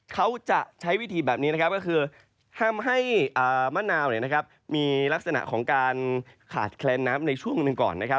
เขาจะใช้วิธีแบบนี้นะครับก็คือทำให้มะนาวมีลักษณะของการขาดแคลนน้ำในช่วงหนึ่งก่อน